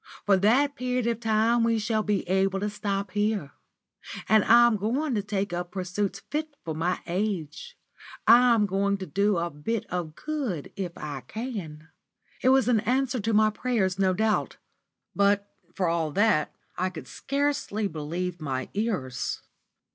For that period of time we shall be able to stop here. And I'm going to take up pursuits fit for my age. I'm going to do a bit of good if I can." It was an answer to my prayers, no doubt. But for all that I could scarcely believe my ears.